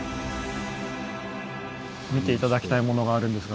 見て頂きたいものがあるんですが。